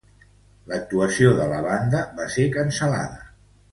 L'actuació de la banda va ser cancel·lada.